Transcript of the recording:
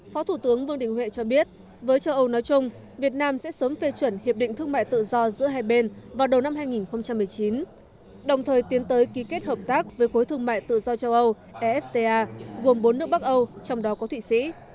phó thủ tướng vương đình huệ cho biết với châu âu nói chung việt nam sẽ sớm phê chuẩn hiệp định thương mại tự do giữa hai bên vào đầu năm hai nghìn một mươi chín đồng thời tiến tới ký kết hợp tác với khối thương mại tự do châu âu efta gồm bốn nước bắc âu trong đó có thụy sĩ